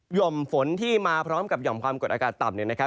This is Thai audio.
่อมฝนที่มาพร้อมกับหย่อมความกดอากาศต่ำ